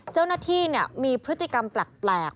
เจ้าหน้าที่มีพฤติกรรมแปลก